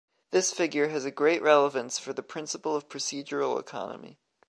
This figure has a great relevance for the principle of procedural economy.